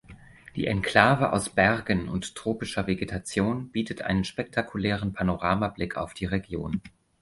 Die Enklave aus Bergen und tropischer Vegetation bietet einen spektakulären Panoramablick auf die Region.